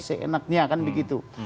seenaknya kan begitu